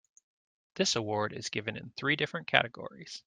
This award is given in three different categories.